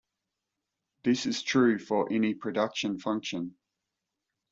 This is true for any production function.